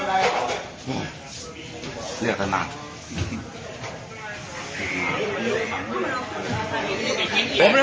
ได้เพื่อค้าทั้งแม่ก่อน